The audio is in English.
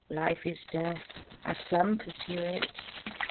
Life is death, as some pursue it.